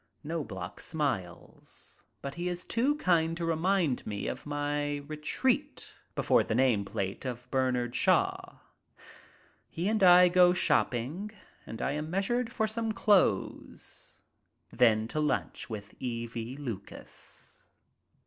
Knobloch smiles, but he is too kind to remind me of my retreat before the name plate of Bernard Shaw. He and I go shopping and I am measured for some clothes; then to lunch with E. V. Lucas.